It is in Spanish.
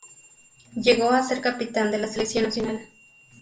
Llegó a ser capitán de la selección nacional.